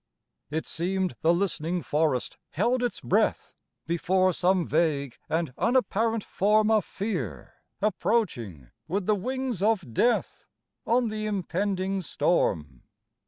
It seemed the listening forest held its breath Before some vague and unapparent form Of fear, approaching with the wings of death, On the impending storm.